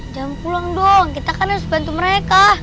jam pulang dong kita kan harus bantu mereka